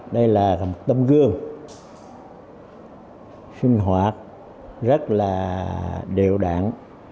đây là tấm gương sinh hoạt rất là điều đạn